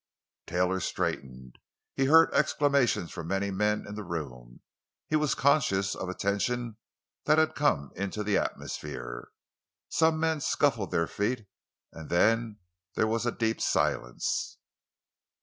Taylor straightened. He heard exclamations from many men in the room; he was conscious of a tension that had come into the atmosphere. Some men scuffled their feet; and then there was a deep silence.